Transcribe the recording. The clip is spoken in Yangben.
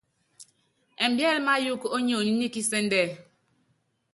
Ɛmbíɛ́lɛ́ máyɔɔ́k ó nionyi ní kisɛ́ndɛ.